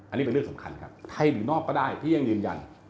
อันนี้เป็นเรื่องสำคัญครับไทยหรือนอกก็ได้ที่ยังยืนยัน